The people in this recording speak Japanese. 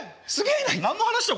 何の話だ？